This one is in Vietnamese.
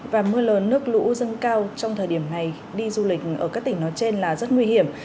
và mưa lớn nước lũ dâng cao trong thời điểm này đi du lịch ở các tỉnh nói trên là rất nguy hiểm